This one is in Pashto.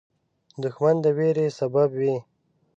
دښمن د ویرې سبب وي